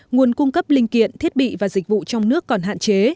nguồn cung cấp linh kiện thiết bị và dịch vụ trong nước còn hạn chế